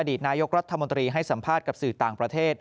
ตนายกรัฐมนตรีให้สัมภาษณ์กับสื่อต่างประเทศ